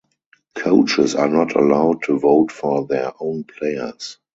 Coaches are not allowed to vote for their own players.